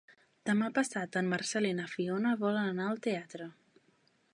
Demà passat en Marcel i na Fiona volen anar al teatre.